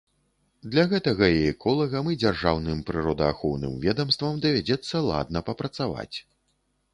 Для гэтага і эколагам, і дзяржаўным прыродаахоўным ведамствам давядзецца ладна папрацаваць.